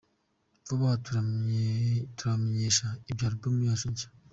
Vuba aha turabamenyesha ibya Album yacu nshya.